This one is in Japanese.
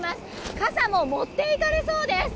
傘も持っていかれそうです。